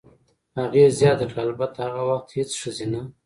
هغې زیاته کړه: "البته، هغه وخت هېڅ ښځینه.